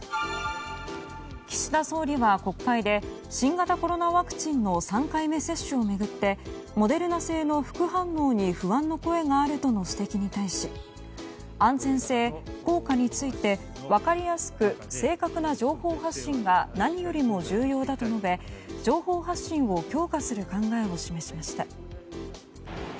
岸田総理は国会で新型コロナワクチンの３回目接種を巡ってモデルナ製の副反応に不安の声があるとの指摘に対し安全性、効果について分かりやすく正確な情報発信が何よりも重要だと述べ情報発信を強化する考えを示しました。